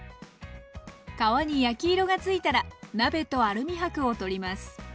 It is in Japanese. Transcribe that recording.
皮に焼き色がついたら鍋とアルミ箔を取ります。